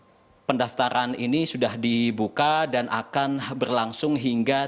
namun memang pendaftaran ini sudah dibuka dan akan berlangsung hingga tiga puluh satu agustus dua ribu dua puluh